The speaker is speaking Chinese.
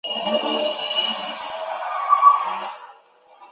小枝具星状短柔毛。